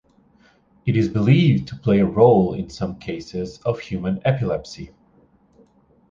It is believed to play a role in some cases of human epilepsy.